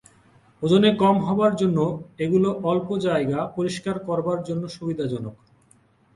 ওজনে কম হবার জন্য এগুলো অল্প জায়গা পরিষ্কার করবার জন্য সুবিধা জনক।